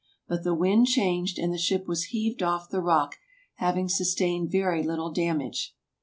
But the wind changed, and the ship was heaved off the rock, having sustained very little damage.